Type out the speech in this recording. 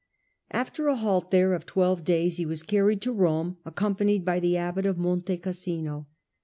After a halt there of twelve days, he was carried to Rome, accompanied by the abbot of Monte Cassino.